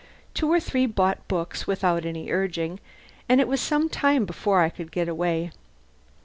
Two or three bought books without any urging, and it was some time before I could get away.